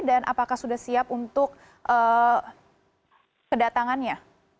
dan apakah sudah siap untuk kedatangannya